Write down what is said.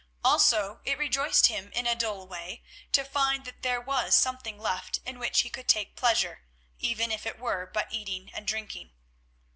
Also it rejoiced him in a dull way to find that there was something left in which he could take pleasure, even if it were but eating and drinking.